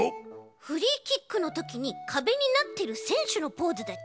フリーキックのときにかべになってるせんしゅのポーズだち。